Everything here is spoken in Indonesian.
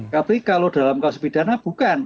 tapi kalau dalam kasus pidana bukan